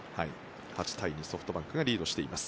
８対２、ソフトバンクがリードしています。